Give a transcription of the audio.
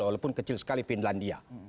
walaupun kecil sekali finlandia